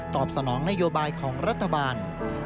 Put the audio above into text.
สนองนโยบายของรัฐบาล